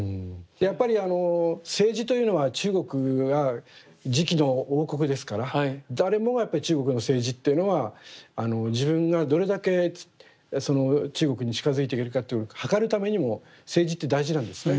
やっぱり青磁というのは中国が磁器の王国ですから誰もがやっぱり中国の青磁っていうのは自分がどれだけ中国に近づいていけるかっていうのをはかるためにも青磁って大事なんですね。